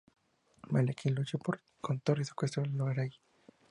Malekith luchó con Thor, y secuestró a Lorelei.